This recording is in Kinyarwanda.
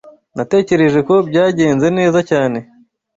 Natekereje ko byagenze neza cyane.